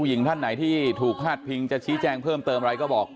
หญิงท่านไหนที่ถูกพาดพิงจะชี้แจงเพิ่มเติมอะไรก็บอก